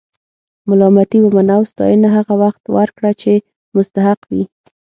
ملامتي ومنه او ستاینه هغه وخت ورکړه چې مستحق وي.